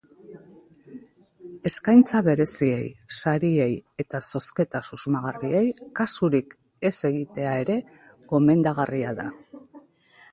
Eskaintza bereziei, sariei eta zozketa susmagarriei kasurik ez egitea ere gomendagarria da.